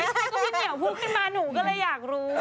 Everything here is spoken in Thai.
แต่ก็ยังเหนียวพลุกเป็นบานหนูก็เลยอยากรู้